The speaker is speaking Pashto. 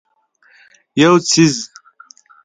یو څیز